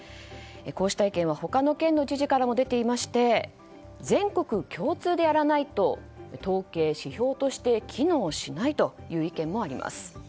こうした意見は他の県の知事からも出ていまして全国共通でやらないと統計・指標として機能しないという意見もあります。